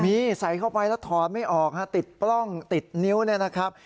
มีใส่เข้าไปแล้วถอดไม่ออกฮะติดปล้องติดนิ้วเนี่ยนะครับ